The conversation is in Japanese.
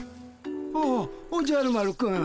おおおじゃる丸くん。